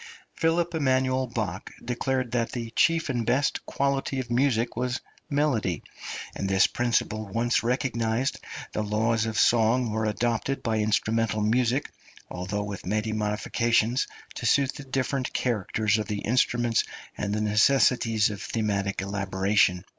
Ph. Eman. Bach declared that the chief and best quality of music was melody, and this principle once recognised, the laws of song were adopted by instrumental music, although with many modifications, to suit the different characters of the instruments and the necessities of thematic elaboration.